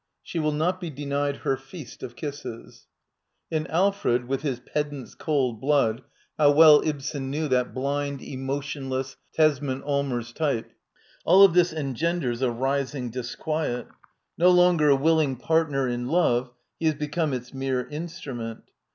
She will not be denied her feast of kisses. In Alfred, with his pedant's cold blood — how d by Google \^ INTRODUCTION well Ibsen knew that blind, emotionless, Tesman Allmers type! — jalLof thio eng e nd e r s » rismg dis .4^sMtr No longer a willing partner in love, he has become its mere instrument.